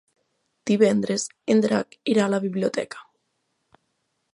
Divendres en Drac irà a la biblioteca.